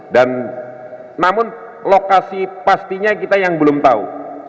dan namun lokasi pastinya kita yang belum tahu